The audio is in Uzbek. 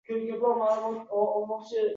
gilos gullarini poyandoz qilib